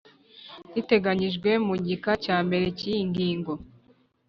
Riteganyijwe mu gika cya mbere cy iyi ngingo